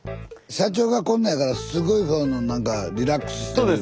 社長がこんなんやからすごいなんかリラックスしてる。